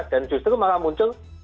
dan justru malah muncul